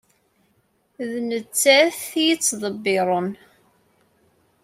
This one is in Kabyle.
D nettat i yettḍebbiren.